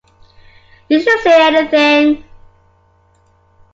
Did she say anything?